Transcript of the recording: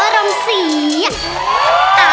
โมโฮโมโฮโมโฮ